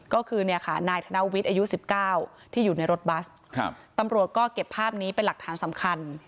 ก็คือเนี่ยค่ะนายธนวิทย์อายุ๑๙ที่อยู่ในรถบัสตำรวจก็เก็บภาพนี้เป็นหลักฐานสำคัญ